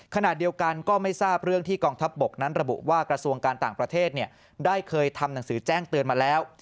ขณะเดียวกันก็ไม่ทราบเรื่องที่กองทัพบกนั้นระบุว่ากระทรวงการต่างประเทศได้เคยทำหนังสือแจ้งเตือนมาแล้ว